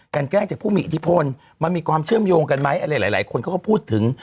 แกล้งจากผู้มีอิทธิพลมันมีความเชื่อมโยงกันไหมอะไรหลายคนเขาก็พูดถึง